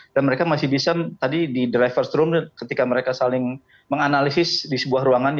dan mereka masih bisa tadi di driver's room ketika mereka saling menganalisis di sebuah ruangan